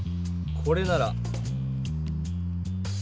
これなら。